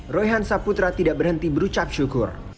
roy hansaputra tidak berhenti berucap syukur